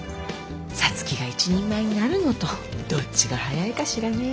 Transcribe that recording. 皐月が一人前になるのとどっちが早いかしらね。